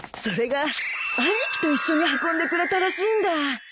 それが兄貴と一緒に運んでくれたらしいんだ。